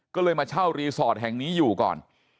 ก็เลยมาเช่ารีสอร์ทแห่งนี้อยู่ก่อน